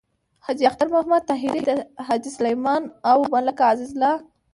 حاجی اختر محمد طاهري، حاجی سلیمان او ملک عزیز الله…